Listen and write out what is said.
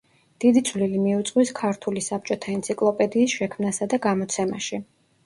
დიდი წვლილი მიუძღვის ქართული საბჭოთა ენციკლოპედიის შექმნასა და გამოცემაში.